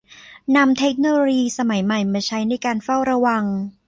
นำเทคโนโลยีสมัยใหม่มาใช้ในการเฝ้าระวัง